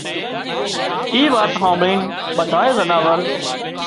اي وات هانڀۯينَ ٻڌائي زناور